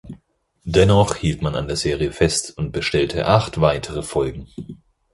Dennoch hielt man an der Serie fest und bestellte acht weitere Folgen.